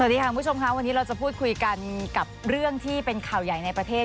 สวัสดีค่ะคุณผู้ชมค่ะวันนี้เราจะพูดคุยกันกับเรื่องที่เป็นข่าวใหญ่ในประเทศ